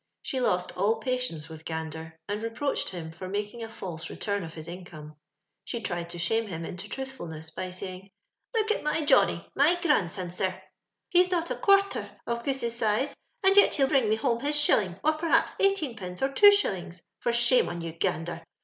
She lost all patience with Gander, and reproached him for making a false return of his income. She tried to shame him into tinithfulness, by say ing,— " Look at my Johnny — my grandson, sir, he's not a quarther the Goose's size, and yet he'll bring mo home his shilling, or perhaps eighteenpenco or two shillings — for shame on you. Gander